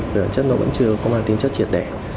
về bản chất nó vẫn chưa có mang tính chất triệt đẻ